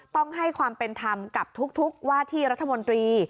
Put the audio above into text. ต้องให้ความเป็นธรรมกับทุกว่าที่รัฐมนตรี